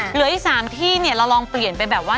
เหลืออีก๓ที่เนี่ยเราลองเปลี่ยนไปแบบว่า